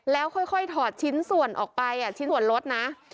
แล้วค่อยถอดชิ้นส่วนออกไปชิ้นส่วนรถนะ